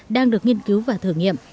đang được nghiên cứu và thử nghiệm